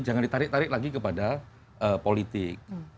jangan ditarik tarik lagi kepada politik